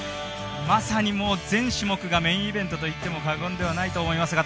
まさに全種目がメインイベントといっても過言ではないと思いますが。